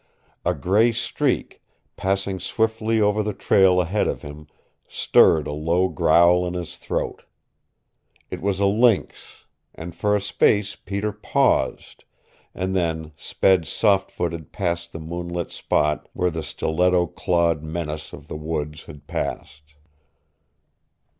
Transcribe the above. A gray streak, passing swiftly over the trail ahead of him, stirred a low growl in his throat. It was a lynx, and for a space Peter paused, and then sped soft footed past the moon lit spot where the stiletto clawed menace of the woods had passed.